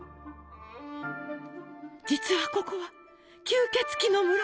実はここは吸血鬼の村！